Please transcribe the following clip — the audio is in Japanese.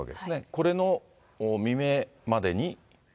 これの未明までに。